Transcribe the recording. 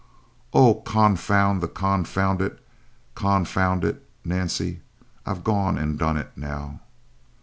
"Oh, con found the con founded con found it, Nancy. I've gone and done it, now!"